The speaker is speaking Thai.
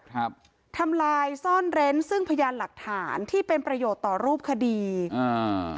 ทำลายซ่อนเร้นซึ่งพยานหลักฐานที่เป็นประโยชน์ต่อรูปคดีอ่า